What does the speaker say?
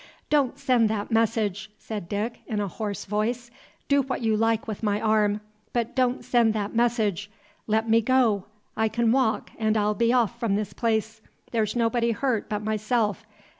"Don't send that message!" said Dick, in a hoarse voice; "do what you like with my arm, but don't send that message! Let me go, I can walk, and I'll be off from this place. There's nobody hurt but myself.